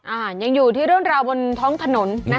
อ่ายังอยู่ที่เรื่องราวบนท้องถนนอืม